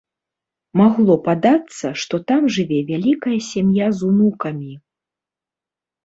Магло падацца, што там жыве вялікая сям'я з унукамі.